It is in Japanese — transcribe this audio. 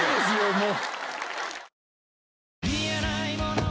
もう。